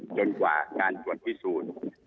จนกว่าการตรวจพิสูจน์